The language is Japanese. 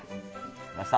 来ました。